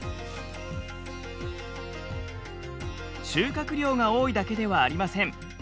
収穫量が多いだけではありません。